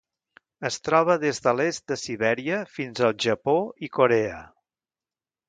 Es troba des de l'est de Sibèria fins al Japó i Corea.